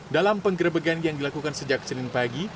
dalam penggerebegan yang dilakukan sejak senin pagi